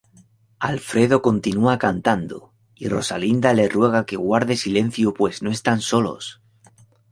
Alfredo continúa cantando y Rosalinda le ruega que guarde silencio pues no están solos.